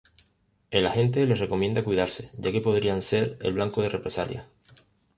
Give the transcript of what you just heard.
El agente les recomienda cuidarse, ya que podrían ser el blanco de represalias.